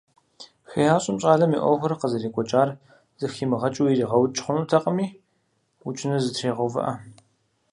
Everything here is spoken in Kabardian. ХеящӀэм щӀалэм и Ӏуэхур къызэрекӀуэкӀар зэхимыгъэкӀыу иригъэукӀ хъунутэкъыми, укӀыныр зэтрегъэувыӀэ.